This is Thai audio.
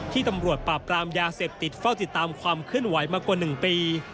ตำรวจปราบกรามยาเสพติดเฝ้าติดตามความเคลื่อนไหวมากว่า๑ปี